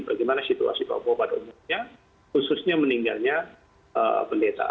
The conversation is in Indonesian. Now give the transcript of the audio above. bagaimana situasi papua pada umumnya khususnya meninggalnya pendeta